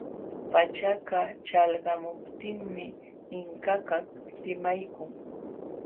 Pachaka ćhalqamuptinmi Inkakaq limaykun.